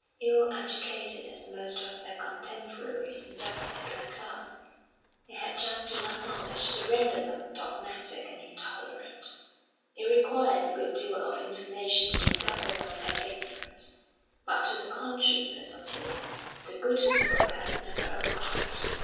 Ill educated as most of their contemporaries in that particular class, they had just enough knowledge to render them dogmatic and intolerant. It requires a good deal of information to discover one's own ignorance, but to the consciousness of this the good people had never arrived.